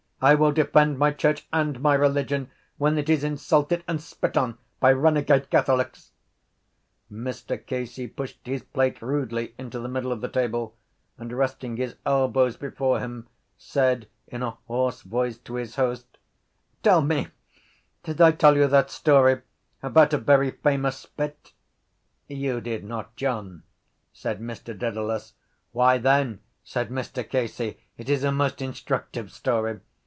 I will defend my church and my religion when it is insulted and spit on by renegade catholics. Mr Casey pushed his plate rudely into the middle of the table and, resting his elbows before him, said in a hoarse voice to his host: —Tell me, did I tell you that story about a very famous spit? —You did not, John, said Mr Dedalus. —Why then, said Mr Casey, it is a most instructive story.